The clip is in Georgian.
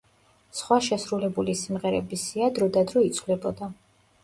სხვა შესრულებული სიმღერების სია დრო და დრო იცვლებოდა.